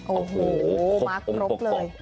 อ้อโหมากครบเลย